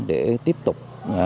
để tiếp tục